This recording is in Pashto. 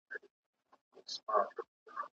¬ که ما کوې، که لالا کوې، که ما کوې.